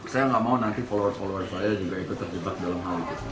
saya nggak mau nanti follower follower saya juga ikut terjebak dalam hal itu